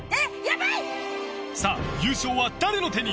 優勝は誰の手に？